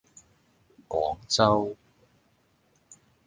廣州